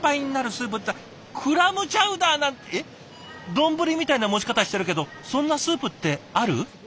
丼みたいな持ち方してるけどそんなスープってある？